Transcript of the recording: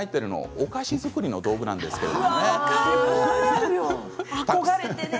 お菓子作りの道具なんですけど。